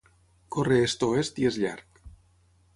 Corre est-oest i és llarg.